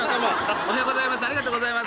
おはようございます。